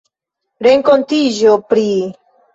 renkontiĝo pri...